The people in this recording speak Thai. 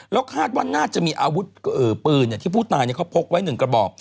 แล้วคาดว่าน่าจะมีอาวุธปืนที่ผู้ตายเขาพกไว้๑กระบอก